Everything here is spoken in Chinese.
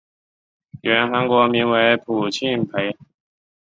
原韩国名为朴庆培。